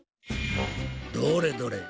どれどれ。